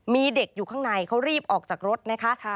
มีเด็กอยู่ข้างในเขารีบออกจากรถนะคะ